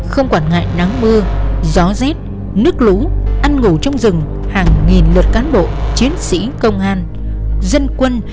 không quản ngại nắng mưa gió rét nước lũ ăn ngủ trong rừng hàng nghìn lượt cán bộ chiến sĩ công an dân quân